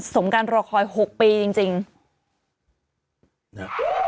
สมกันรอคอยหกปีจริงจริง